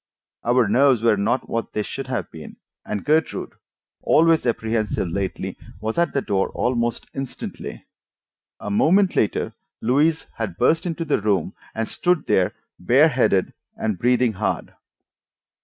Our nerves were not what they should have been, and Gertrude, always apprehensive lately, was at the door almost instantly. A moment later Louise had burst into the room and stood there bareheaded and breathing hard!